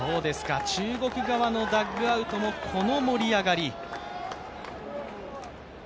中国側のダッグアウトもこの盛り上がり。